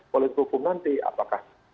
kalau dihukum nanti apakah